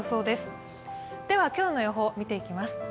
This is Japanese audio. では今日の予報を見ていきます。